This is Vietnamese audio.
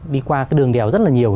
đi qua cái đường đèo rất là nhiều